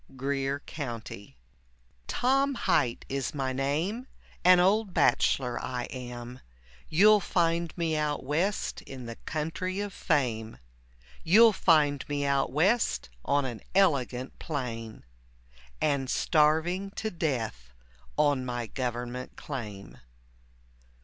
GREER COUNTY Tom Hight is my name, an old bachelor I am, You'll find me out West in the country of fame, You'll find me out West on an elegant plain, And starving to death on my government claim.